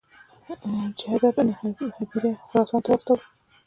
جعده بن هبیره خراسان ته واستاوه.